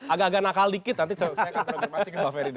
agak agak nakal dikit nanti saya akan konfirmasi ke mbak ferdinand